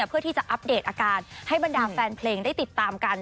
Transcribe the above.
เพื่อที่จะอัปเดตอาการให้บรรดาแฟนเพลงได้ติดตามกัน